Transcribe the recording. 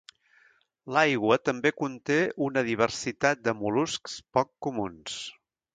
L'aigua també conté una diversitat de mol·luscs poc comuns.